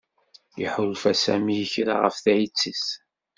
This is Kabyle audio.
Iḥulfa Sami i kra ɣef tayet-is.